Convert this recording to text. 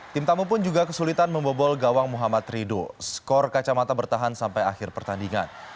tim tamu pun juga kesulitan membobol gawang muhammad rido skor kacamata bertahan sampai akhir pertandingan